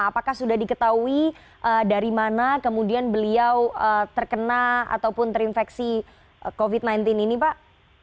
apakah sudah diketahui dari mana kemudian beliau terkena ataupun terinfeksi covid sembilan belas ini pak